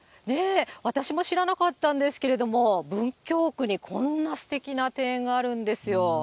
私も知らなかったんですけれども、文京区にこんなすてきな庭園があるんですよ。